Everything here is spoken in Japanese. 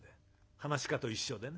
噺家と一緒でね